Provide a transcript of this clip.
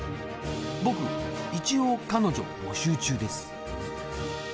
僕一応彼女募集中です！